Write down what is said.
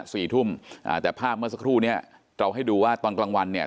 สี่ทุ่มอ่าแต่ภาพเมื่อสักครู่เนี้ยเราให้ดูว่าตอนกลางวันเนี่ย